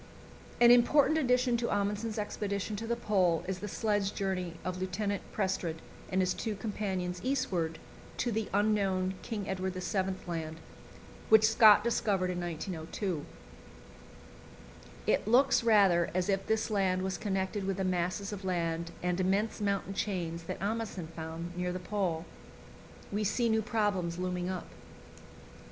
An important addition to Amundsen's expedition to the Pole is the sledge journey of Lieutenant Prestrud and his two companions eastward to the unknown King Edward VII. Land, which Scott discovered in 1902. It looks rather as if this land was connected with the masses of land and immense mountain chains that Amundsen found near the Pole. We see new problems looming up.